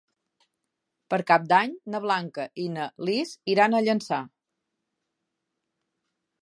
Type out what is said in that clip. Per Cap d'Any na Blanca i na Lis iran a Llançà.